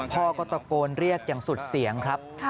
พ่อก็ตะโกนเรียกอย่างสุดเสียงครับ